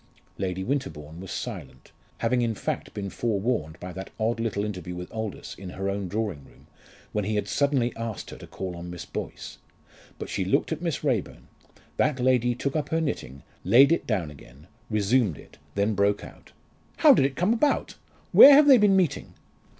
Lady Winterbourne was silent, having in fact been forewarned by that odd little interview with Aldous in her own drawing room, when he had suddenly asked her to call on Mrs. Boyce. But she looked at Miss Raeburn. That lady took up her knitting, laid it down again, resumed it, then broke out "How did it come about? Where have they been meeting?"